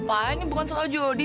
pak ini bukan salah jodi